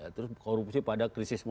terus korupsi pada krisis moneter